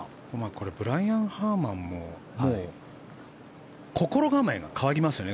これブライアン・ハーマンも心構えが変わりますよね。